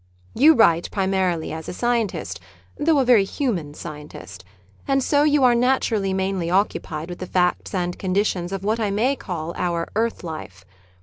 You write primarily as a scientist (though a very human scientist), and so you are naturally mainly occupied with the facts and conditions of what I may call our earth life.